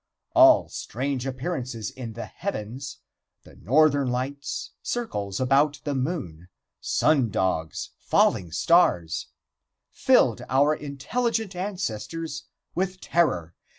All strange appearances in the heavens the Northern Lights, circles about the moon, sun dogs, falling stars filled our intelligent ancestors with terror.